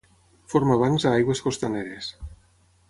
Forma bancs a aigües costaneres.